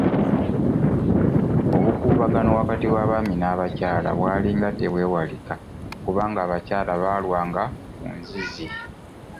Obukuubagano wakati w'abaami n'abakyala bwalinga tebwewalika kubanga abakyala baalwanga ku nzizi.